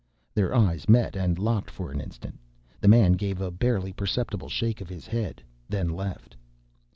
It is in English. Their eyes met and locked for an instant. The man gave a barely perceptible shake of his head, then left.